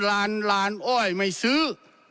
ลานลานอ้อยไม่ซื้อ